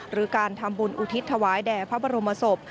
หรือการทำบุญอุทิศถวายแด่พระบรมศพ